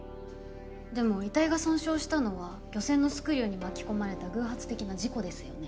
でも遺体が損傷したのは漁船のスクリューに巻き込まれた偶発的な事故ですよね。